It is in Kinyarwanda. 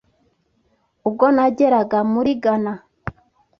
ubwo nageraga muri Ghana